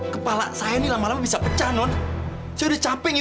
karena berkat pertolongan dia